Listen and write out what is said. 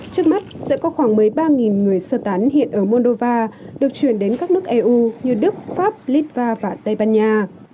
trước mắt sẽ có khoảng một mươi ba người sơ tán hiện ở moldova được truyền đến các nước eu như đức pháp litva và tây ban nha